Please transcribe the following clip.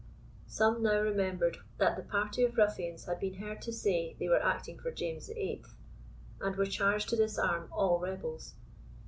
Some now remembered that the party of ruffians had been heard to say they were acting for James VIII., and were charged to disarm all rebels.